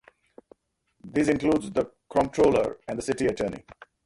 These include the comptroller and the city attorney.